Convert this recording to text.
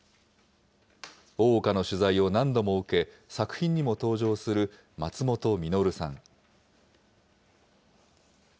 大岡の取材を何度も受け、作品にも登場する松本實さん。